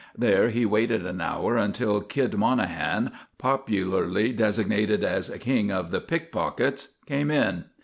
There he waited an hour until "Kid" Monahan, popularly designated as King of the Pick pockets, came in.